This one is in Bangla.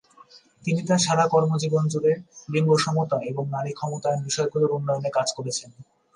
তিনি তার সারা কর্মজীবন জুড়ে লিঙ্গ সমতা এবং নারী ক্ষমতায়ন বিষয়গুলোর উন্নয়নে কাজ করেছেন।